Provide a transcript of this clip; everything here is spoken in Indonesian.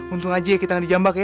untung aja ya kita gak di jambak ya